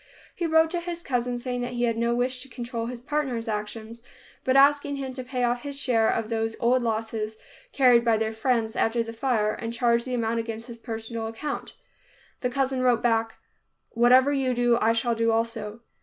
He wrote to his cousin, saying that he had no wish to control his partner's action, but asking him to pay off his share of those old losses carried by their friends after the fire, and charge the amount against his personal account. The cousin wrote back, "Whatever you do, I shall do also."